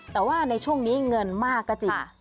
แต่ว่าในช่วงนี้เงินมากก็จริง